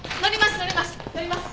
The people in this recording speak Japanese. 乗ります。